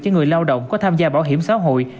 cho người lao động có tham gia bảo hiểm xã hội